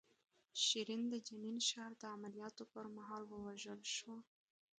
شیرین د جنین ښار د عملیاتو پر مهال ووژل شوه.